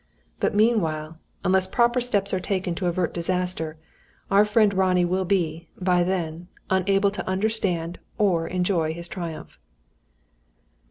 But meanwhile, unless proper steps are taken to avert disaster, our friend Ronnie will be, by then, unable to understand or to enjoy his triumph."